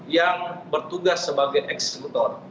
yang bertugas sebagai eksekutor